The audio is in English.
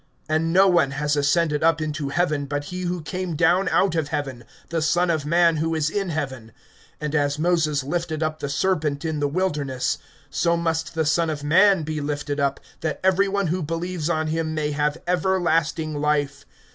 (13)And no one has ascended up into heaven, but he who came down out of heaven, the Son of man who is in heaven. (14)And as Moses lifted up the serpent in the wilderness, so must the Son of man be lifted up; (15)that every one who believes on him may have everlasting life.